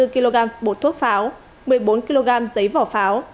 hai mươi kg bột thuốc pháo một mươi bốn kg giấy vỏ pháo